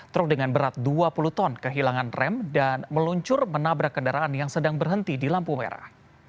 truk dengan berat dua puluh ton kehilangan rem dan meluncur menabrak kendaraan yang sedang berhenti di lampu merah